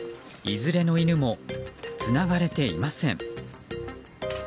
いずれの犬もつながれていません。